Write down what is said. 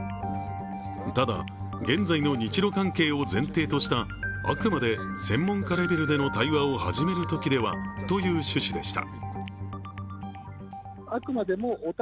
ただ、現在の日ロ関係を前提としたあくまで専門家レベルでの対話を始めるときではという趣旨でした。